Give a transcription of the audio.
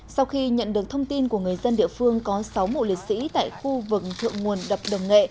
sau khi nhận được thông tin của người dân địa phương có sáu mộ liệt sĩ tại khu vực thượng nguồn đập đồng nghệ